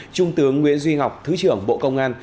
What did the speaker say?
trung tướng nguyễn duy ngọc thứ trưởng bộ công an